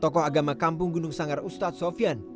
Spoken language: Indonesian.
tokoh agama kampung gunung sanggar ustadz sofian